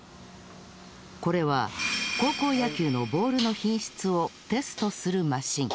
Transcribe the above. これは高校野球のボールの品質をテストするマシン。